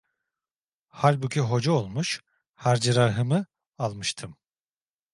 Halbuki hoca olmuş, harcırahımı almıştım.